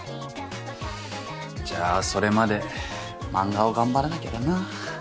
じゃあそれまで漫画を頑張らなきゃだな。